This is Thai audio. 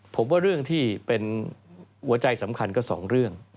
ผมว่าเรื่องที่เป็นหัวใจสำคัญก็สองเรื่อง